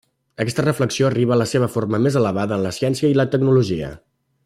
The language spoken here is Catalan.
Aquesta reflexió arriba a la seva forma més elevada en la ciència i la tecnologia.